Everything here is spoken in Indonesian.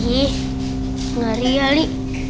ih ngeri ya li